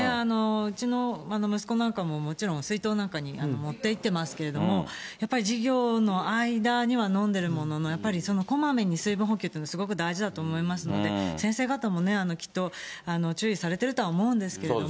うちの息子なんかももちろん水筒なんかに持っていってますけども、やっぱり授業の間には飲んでるものの、やっぱりこまめに水分補給というのはすごく大事だと思いますので、先生方もね、きっと注意されてるとは思うんですけれども。